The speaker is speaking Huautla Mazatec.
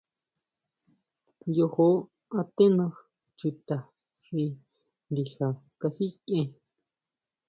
Yojo antena chuta xi ndija kasikʼien.